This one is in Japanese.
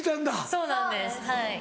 そうなんですはい。